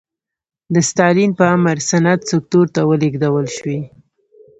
د ستالین په امر صنعت سکتور ته ولېږدول شوې.